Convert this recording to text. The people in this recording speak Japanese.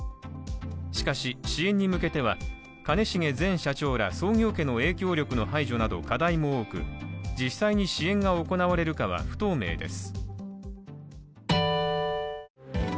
しかし支援に向けては兼重前社長ら創業家の影響力の排除など課題も多く、実際に支援が行われるかは不透明です。